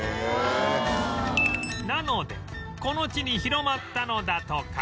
なのでこの地に広まったのだとか